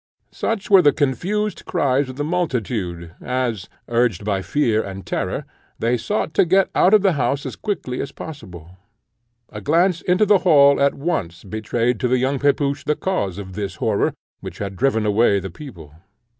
Such were the confused cries of the multitude, as, urged by fear and terror, they sought to get out of the house as quickly as possible. A glance into the hall at once betrayed to the young Pepusch the cause of this horror, which had driven away the people.